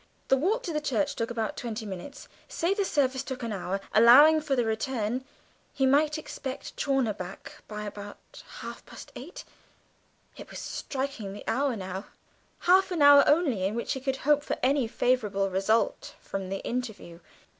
The walk to church took about twenty minutes; say the service took an hour, allowing for the return, he might expect Chawner by about half past eight; it was striking the hour now half an hour only in which he could hope for any favourable result from the interview!